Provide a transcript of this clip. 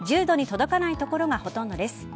１０度に届かない所がほとんどです。